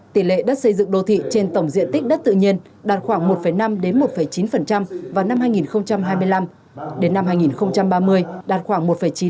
tỷ lệ đất xây dựng đô thị trên tổng diện tích đất tự nhiên đạt khoảng một năm một chín vào năm hai nghìn hai mươi năm đến năm hai nghìn ba mươi đạt khoảng một chín